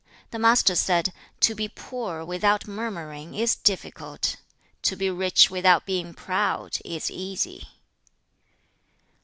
The Master said, 'To be poor without murmuring is difficult. To be rich without being proud is easy.'